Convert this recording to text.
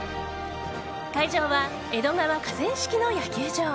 会場は江戸川河川敷の野球場。